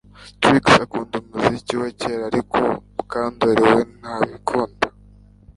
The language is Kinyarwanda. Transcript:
Trix akunda umuziki wa kera ariko Mukandoli we ntabikunda